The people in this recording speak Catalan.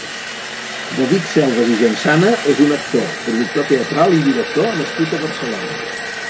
David Selvas i Jansana és un actor, productor teatral i director nascut a Barcelona.